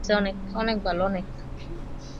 অজ্ঞান না হওয়া পর্যন্ত ওই বেল্টটা দিয়ে মারবে।